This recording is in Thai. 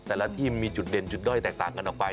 แต่ละที่มีจุดเด่นจุดด้อยแตกต่างกันออกไป